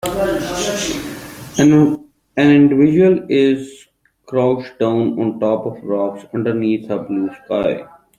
An individual is crouched down on top of rocks underneath a blue sky.